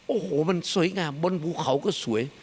โอ้โหมันสวยงามบนภูเขาก็สวย